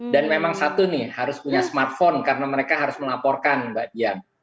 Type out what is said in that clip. dan memang satu nih harus punya smartphone karena mereka harus melaporkan mbak dian